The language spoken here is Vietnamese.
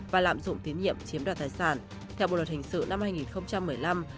và lạm dụng tín nhiệm chiếm đoạt tài sản theo bộ luật hình sự năm hai nghìn một mươi năm